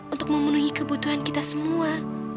untuk memenuhi kebutuhan kita semua